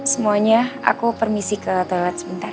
semuanya aku permisi ke toilet sebentar